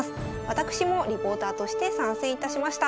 私もリポーターとして参戦いたしました。